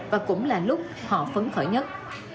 và cũng là lúc họ phấn khởi nhất